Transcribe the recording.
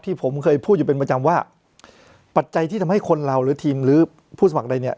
ผมเคยพูดอยู่เป็นประจำว่าปัจจัยที่ทำให้คนเราหรือทีมหรือผู้สมัครใดเนี่ย